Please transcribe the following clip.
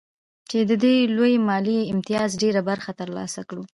چې د دې لوی مالي امتياز ډېره برخه ترلاسه کړو